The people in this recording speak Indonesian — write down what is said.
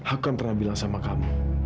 aku kan pernah bilang sama kamu